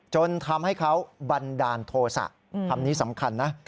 จนทำให้เขาบันดาลโทษะคำนี้สำคัญนะ